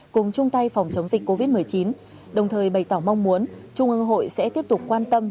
cùng chung tay phòng chống dịch covid một mươi chín đồng thời bày tỏ mong muốn trung ương hội sẽ tiếp tục quan tâm